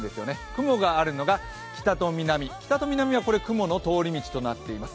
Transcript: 雲があるのが北と南、北と南は雲の通り道となっています。